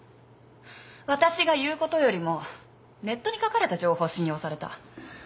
私が言うことよりもネットに書かれた情報信用された。